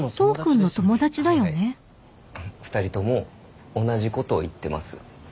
２人とも同じことを言ってます。